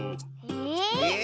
え？